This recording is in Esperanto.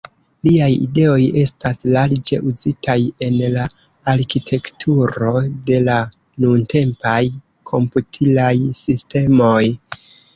Liaj ideoj estas larĝe uzitaj en la arkitekturo de la nuntempaj komputilaj sistemoj.